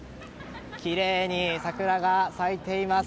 きれいに桜が咲いています。